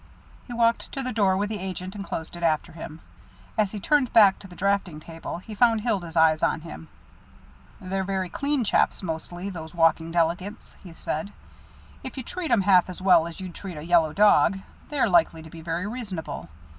He walked to the door with the agent and closed it after him. As he turned back to the draughting table, he found Hilda's eyes on him. "They're very clean chaps, mostly, those walking delegates," he said. "If you treat 'em half as well as you'd treat a yellow dog, they're likely to be very reasonable.